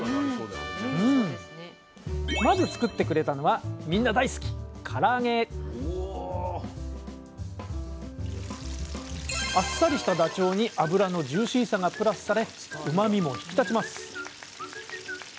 まず作ってくれたのはみんな大好きあっさりしたダチョウに油のジューシーさがプラスされうまみも引き立ちます。